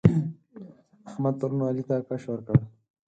احمد پرون علي ته کش ورکړ.